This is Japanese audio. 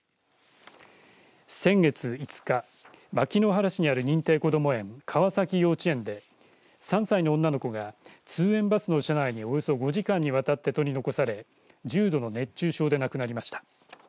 先月５日牧之原市にある認定こども園川崎幼稚園で３歳の女の子が通園バスの車内におよそ５時間にわたって取り残され重度の熱中症で亡くなりました。